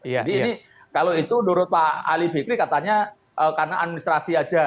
jadi ini kalau itu menurut pak ali bekri katanya karena administrasi aja